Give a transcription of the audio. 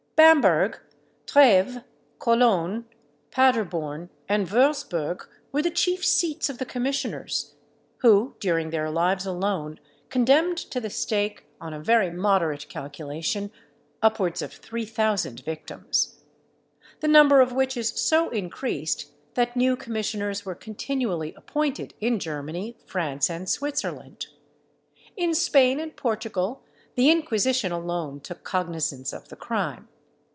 Bamberg, Trèves, Cologne, Paderborn, and Würzburg, were the chief seats of the commissioners, who, during their lives alone, condemned to the stake, on a very moderate calculation, upwards of three thousand victims. The number of witches so increased, that new commissioners were continually appointed in Germany, France, and Switzerland. In Spain and Portugal the Inquisition alone took cognisance of the crime.